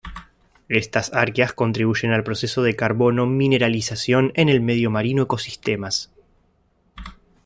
Estas arqueas contribuyen al proceso de carbono mineralización en el medio marino ecosistemas.